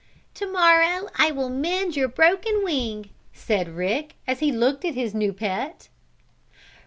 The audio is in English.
"To morrow I will mend your broken wing," said Rick, as he looked at his new pet.